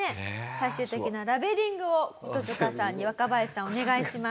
最終的なラベリングをコトヅカさんに若林さんお願いします。